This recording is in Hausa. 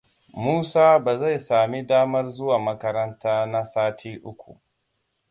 Musaa ba zai sami damar zuwa makaranta na sati uku.